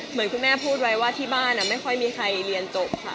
เหมือนคุณแม่พูดไว้ว่าที่บ้านไม่ค่อยมีใครเรียนจบค่ะ